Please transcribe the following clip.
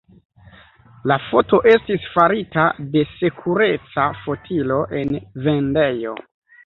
La foto estis farita de sekureca fotilo en vendejo.